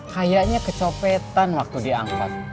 kayaknya kecopetan waktu diangkat